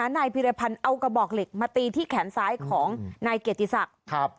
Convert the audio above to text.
นายพิรพันธ์เอากระบอกเหล็กมาตีที่แขนซ้ายของนายเกียรติศักดิ์